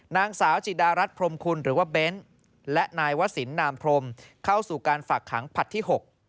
นางสาวจิดารัฐพรมคุณหรือว่าเบ้นและนายวศิลปนามพรมเข้าสู่การฝากขังผลัดที่๖